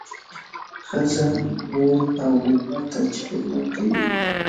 ښځه مور او میرمن ده چې خدمت کوي